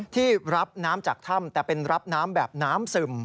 ที่รับน้ำจากถ้ำแต่เป็นรับน้ำแบบน้ำซึม